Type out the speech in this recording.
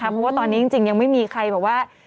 เพราะว่าตอนนี้จริงยังไม่มีใครแบบว่า